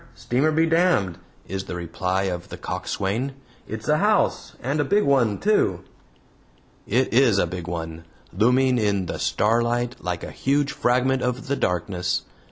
Steamer be damned!" is the reply of the coxswain. "It's a house, and a big one too." It is a big one, looming in the starlight like a huge fragment of the darkness.